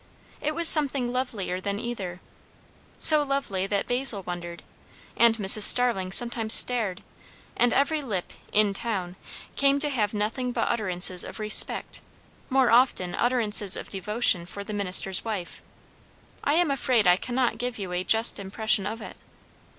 It was something lovelier than either; so lovely that Basil wondered, and Mrs. Starling sometimes stared, and every lip "in town" came to have nothing but utterances of respect, more often utterances of devotion, for the minister's wife, I am afraid I cannot give you a just impression of it.